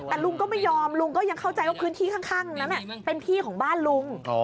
แต่ลุงก็ไม่ยอมลุงก็ยังเข้าใจว่าพื้นที่ข้างนั้นเป็นที่ของบ้านลุง